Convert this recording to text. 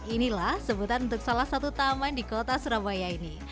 inilah sebutan untuk salah satu taman di kota surabaya ini